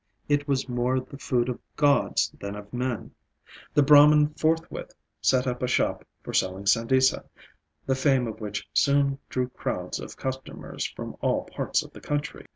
It was more the food of gods than of men. The Brahman forthwith set up a shop for selling sandesa, the fame of which soon drew crowds of customers from all parts of the country.